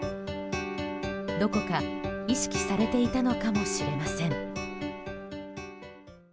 どこか意識されていたのかもしれません。